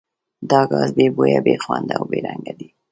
دا ګاز بې بویه، بې خونده او بې رنګه دی.